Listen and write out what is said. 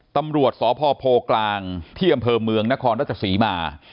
ตำรวจศพโพธิกลางที่อำเภอเมืองธนธสีมา